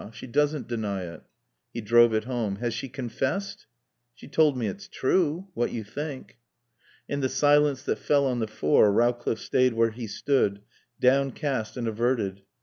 She doesn't deny it." He drove it home. "Has she confessed?" "She's told me it's true what you think." In the silence that fell on the four Rowcliffe stayed where he stood, downcast and averted.